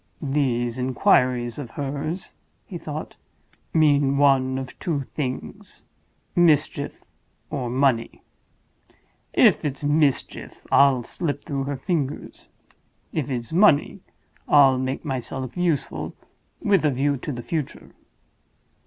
"These inquiries of hers," he thought, "mean one of two things—Mischief, or Money! If it's Mischief, I'll slip through her fingers. If it's Money, I'll make myself useful, with a view to the future."